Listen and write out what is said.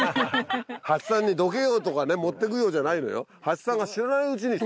ハチさんに「どけよ」とかね「持ってくよ」じゃないのよ。